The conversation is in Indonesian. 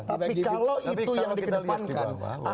tapi kalau itu yang dikedepankan